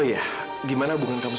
tetapi bukan seperti ruangrock